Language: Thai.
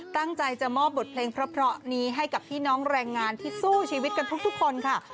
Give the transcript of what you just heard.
ตั้งใจจะมอบบทเพลงเพราะนี้ให้กับพี่น้องแรงงานที่สู้ชีวิตกันทุกคนค่ะ